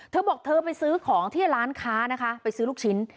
เธอบอกเธอไปซื้อของที่ร้านค้านะคะไปซื้อลูกชิ้น